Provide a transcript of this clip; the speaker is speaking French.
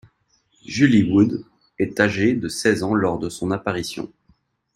Julie Wood est âgée de seize ans lors de son apparition.